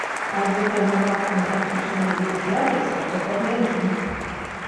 Але калі раптам такі чалавек з'явіцца, то паглядзім.